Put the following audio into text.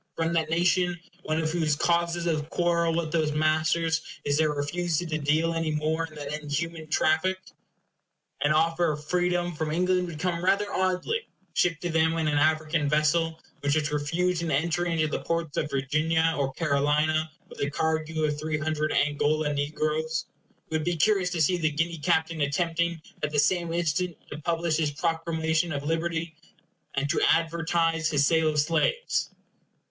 from that nation, one of whose causes of quarrel with those masters is their refusal to deal any more in that inhuman traffic? An offer of freedom from England would come rather oddly, shipped to them in an African vessel which is refused an entry into the ports of Virginia or Carolina with a cargo of three hundred Angola negroes. It would be curious to see the Guinea captain attempting at the same instant to publish his proclamation of liberty, and to advertise his sale of slaves.